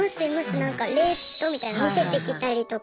なんかレートみたいの見せてきたりとか。